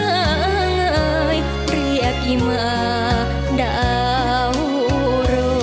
เอ่อเอ่อเอ่อเอ่อเรียกอิม่าดาวโรย